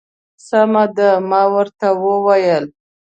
سمه ده. ما ورته وویل.